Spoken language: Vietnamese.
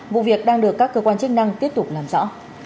vụ việc đang được các cơ quan chức năng tiếp tục làm rõ